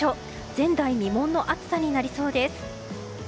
前代未聞の暑さになりそうです。